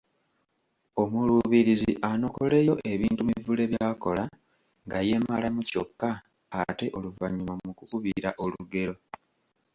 Omuluubirizi anokoleyo ebintu Mivule by’akola nga yeemalamu kyokka ate oluvannyuma mu kukubira olugero